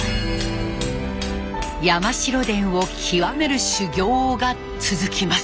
山城伝を極める修業が続きます。